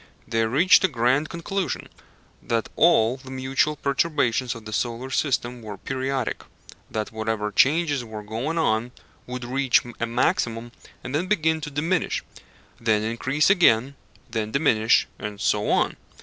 They reached a grand conclusion that all the mutual perturbations of the solar system were periodic that whatever changes were going on would reach a maximum and then begin to diminish; then increase again, then diminish, and so on.